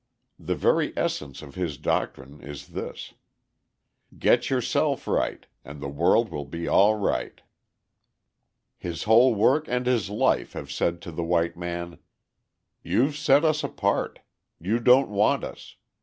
The very essence of his doctrine is this: "Get yourself right, and the world will be all right." His whole work and his life have said to the white man: "You've set us apart. You don't want us.